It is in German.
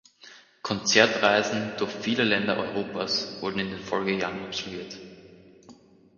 Konzertreisen durch viele Länder Europas wurden in den Folgejahren absolviert.